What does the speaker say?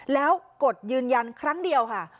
แล้วกดยืนยันครั้งเดียวค่ะ